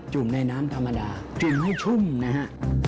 ุ่มในน้ำธรรมดาจุ่มให้ชุ่มนะฮะ